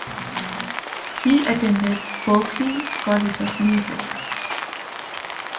He attended Berklee College of Music.